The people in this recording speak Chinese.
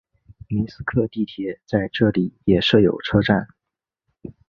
明斯克地铁在这里也设有车站。